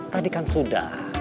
tadi kan sudah